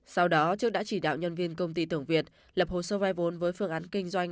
sau đó trước đã chỉ đạo nhân viên công ty tường việt lập hồ sơ vai vốn với phương án kinh doanh